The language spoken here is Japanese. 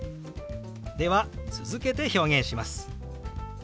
では続けて表現します。